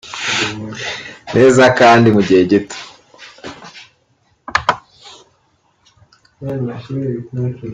neza kandi mu gihe gito